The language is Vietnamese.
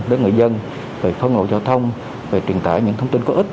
đến người dân về phòng ngộ giao thông về truyền tải những thông tin có ích